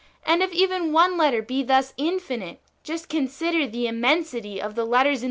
And if even one letter be thus infinite, just consider the immensity of the letters in 1 Matt, xviii.